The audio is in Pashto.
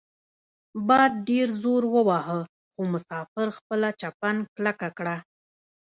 باد ډیر زور وواهه خو مسافر خپله چپن کلکه کړه.